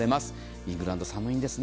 イングランドは寒いですね。